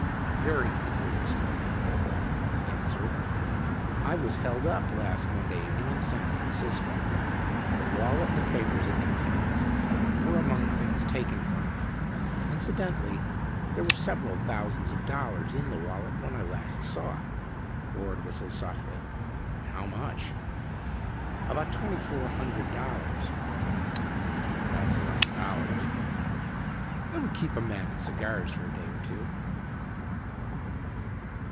"Very easily explained," he answered. "I was held up last Monday evening in San Francisco. The wallet and the papers it contains were among the things taken from me. Incidentally, there were several thousands of dollars in the wallet when I last saw it." Ward whistled softly. "How much?" "About twenty four hundred dollars." "That's a lot of dollars." "It would keep a man in cigars for a day or two."